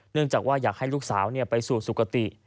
จากว่าอยากให้ลูกสาวไปสู่สุขติ